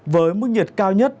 với mức nhiệt cao nhất